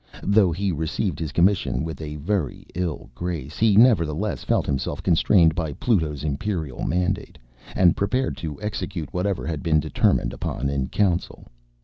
Though he received his commission with a very ill grace, he nevertheless felt himself constrained by PlutoŌĆÖs imperial mandate, and prepared to execute whatever had been determined upon in council.